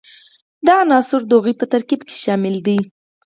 دا عنصر د هغوي په ترکیب کې شامل دي.